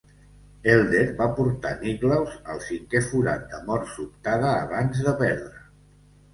Elder va portar Nicklaus al cinquè forat de mort sobtada abans de perdre.